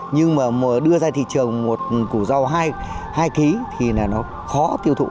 nhưng mà đưa ra thị trường một củ rau hai hai kg thì là nó khó tiêu thụ